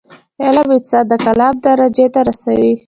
علم انسان د کمال درجي ته رسوي.